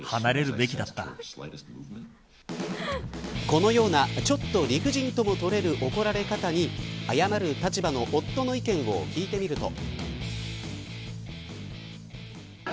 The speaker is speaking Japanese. このような、ちょっと理不尽ともとれる怒られ方に謝る立場の夫の意見を聞いてみると。